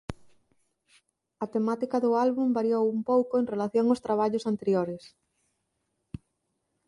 A temática do álbum variou un pouco en relación ós traballos anteriores.